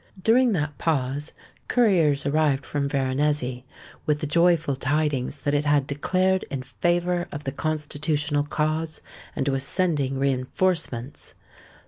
During that pause, couriers arrived from Veronezzi, with the joyful tidings that it had declared in favour of the Constitutional cause, and was sending reinforcements.